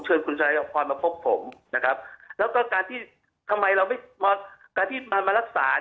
เชิญคุณธรรยาพรมาพบผมแล้วก็การที่มารักษา